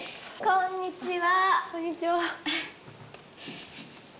こんにちは。